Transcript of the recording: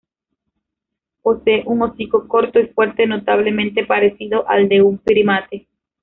Posee un hocico corto y fuerte, notablemente parecido al de un primate.